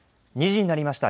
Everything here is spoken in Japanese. ２時になりました。